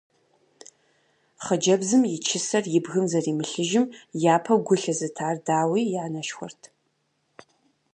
Хъыджэбзым и чысэр и бгым зэримылъыжым япэу гу лъызытар, дауи, и анэшхуэрт.